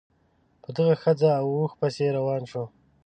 په دغه ښځه او اوښ پسې روان شو.